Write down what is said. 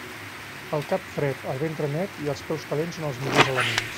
El cap fred, el ventre net i els peus calents són els millors elements.